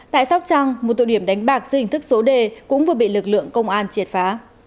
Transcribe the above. tại sóc trăng một tụ điểm đánh bạc dưới hình thức số đề cũng vừa bị lực lượng công an triệt phá